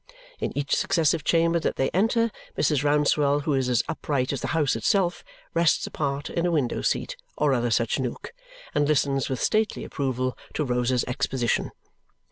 In each successive chamber that they enter, Mrs. Rouncewell, who is as upright as the house itself, rests apart in a window seat or other such nook and listens with stately approval to Rosa's exposition.